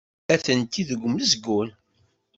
Atenti deg umezgun.